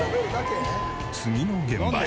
次の現場へ。